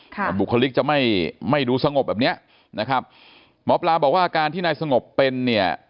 แต่บุคลิกจะไม่ไม่ดูสงบแบบเนี้ยนะครับหมอปลาบอกว่าอาการที่นายสงบเป็นเนี่ย